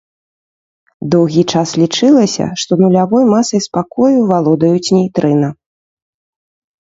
Доўгі час лічылася, што нулявой масай спакою валодаюць нейтрына.